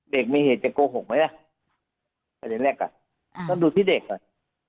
เด็กมีเหตุจะโกหกไหมล่ะประเด็นแรกอ่ะอ่าก็ดูที่เด็กอ่ะ